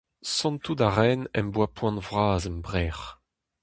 Santout a raen em boa poan vras em brec'h.